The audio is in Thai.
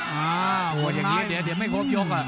หัวอย่างนี้เดี๋ยวไม่ครบยกอ่ะ